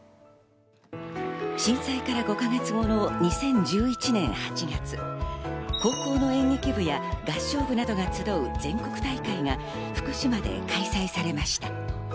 震災から５か月後の２０１１年８月、高校の演劇部や合唱部などが集う全国大会が福島で開催されました。